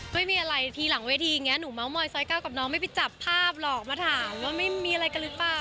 ไม่มีอะไรทีหลังเวทีอย่างนี้หนูเมาสอยซอย๙กับน้องไม่ไปจับภาพหรอกมาถามว่าไม่มีอะไรกันหรือเปล่า